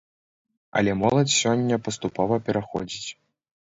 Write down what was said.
Але моладзь сёння паступова пераходзіць.